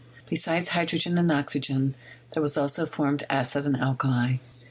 Besides hydrogen and oxygen there were also formed acid and alkali.